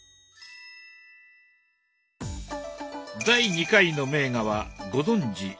第２回の名画はご存じ